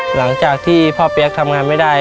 หลังจากที่พ่อเปี๊ยกทำงานไม่ได้